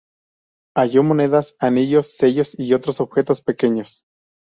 Halló monedas, anillos, sellos y otros objetos pequeños.